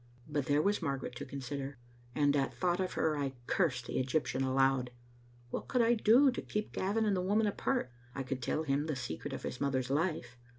But there was Margaret to consider, and at thought of her I cursed the Egyptian aloud. What could I do to keep Gavin and the woman apart? I could tell him the secret of his mother's life.